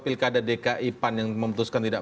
pilkada dki pan yang memutuskan tidak